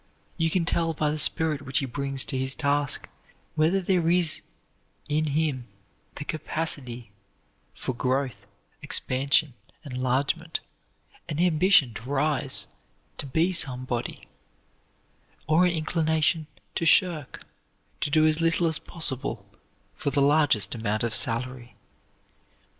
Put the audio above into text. You can tell by the spirit which he brings to his task whether there is in him the capacity for growth, expansion, enlargement; an ambition to rise, to be somebody, or an inclination to shirk, to do as little as possible for the largest amount of salary.